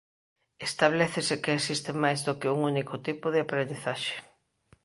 Establécese que existe máis do que un único tipo de aprendizaxe.